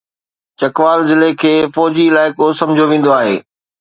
چکوال ضلعي کي فوجي علائقو سمجهيو ويندو آهي.